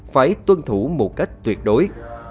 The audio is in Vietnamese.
phải tuân thủ một cách tuyệt đối